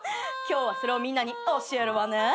今日はそれをみんなに教えるわね。